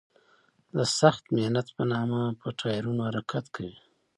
د سخت محنت په نامه په ټایرونو حرکت کوي.